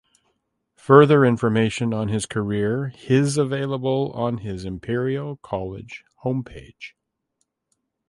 Further information on his career his available on his Imperial College Homepage.